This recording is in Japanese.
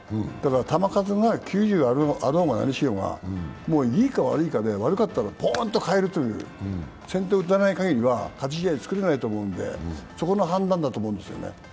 球数が９０あろうが何しようがいいか悪いかで悪かったらぽーんと変えるという先手を打たないかぎりは勝ち試合がつかないと思うので、そこの判断だと思うんですよね。